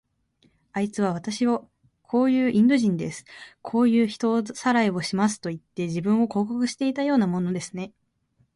あいつは、わたしはこういうインド人です。こういう人さらいをしますといって、自分を広告していたようなものですね。